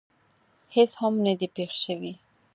هېڅ هم نه دي پېښ شوي.